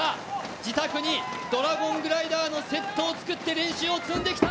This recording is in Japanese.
自宅にドラゴングライダーのセットを作って練習を積んできた。